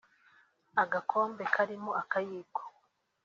agakombe karimo akayiko